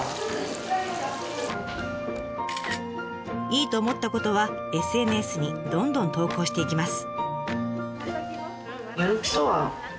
いいと思ったことはＳＮＳにどんどん投稿していきます。